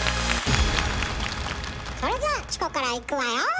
それじゃあチコからいくわよ！